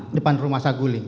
di depan rumah saguling